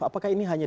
apakah ini hanya